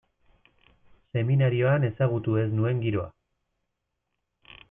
Seminarioan ezagutu ez nuen giroa.